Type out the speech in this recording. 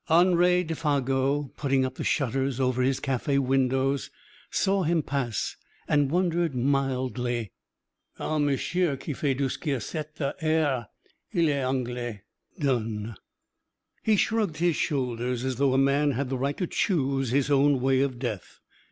Henri Defago, putting up the shutters over his cafe windows, saw him pass, and wondered mildly: "Un monsieur qui fait du ski a cette heure! Il est Anglais, done ...!" He shrugged his shoulders, as though a man had the right to choose his own way of death.